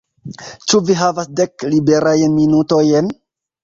Ĉu vi havas dek liberajn minutojn?